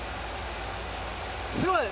すごい。